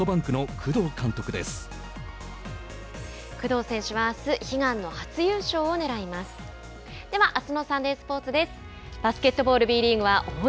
工藤選手は、あす悲願の初優勝をねらいます。